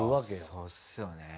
そうっすよね。